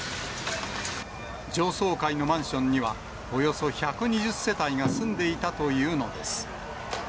上層階のマンションには、およそ１２０世帯が住んでいたというのです。